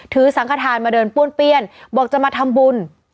สังขทานมาเดินป้วนเปี้ยนบอกจะมาทำบุญ